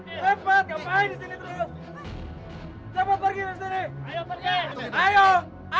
audzenkabar kabur kabur selanjutnya kabur kabur kabur kabur sabar kabur kabur ke was